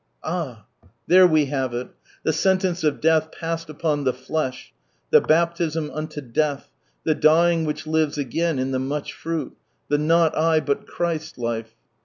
Ah 1 there we have it — the sentence of death passed upon tht flahy the bap tism unto dtalh, the dying which lives again in the much fruit, the '* not /, bul C/iriit" life.